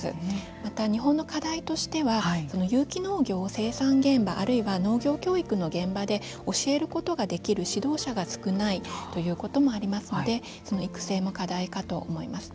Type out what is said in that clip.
また、日本の課題としては有機農業を生産現場教えることができる指導者が少ないということもありますのでその育成も課題かと思います。